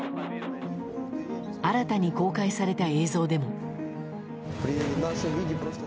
新たに公開された映像でも。